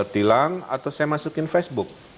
tilang atau saya masukin facebook